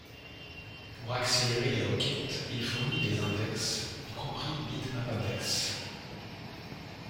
Pour accélérer les requêtes, il fournit des index, y compris bitmap indexes.